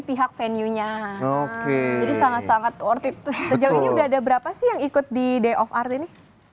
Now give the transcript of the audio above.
pihak venue nya jadi sangat sangat worth it sejauh ini udah ada berapa sih yang ikut di day of art ini